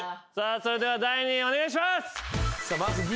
それでは第２位お願いします。